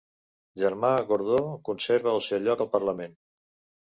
Germà Gordó conserva el seu lloc al Parlament